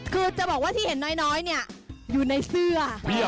คือจะบอกว่าที่เห็นน้อยเนี่ยอยู่ในเสื้อ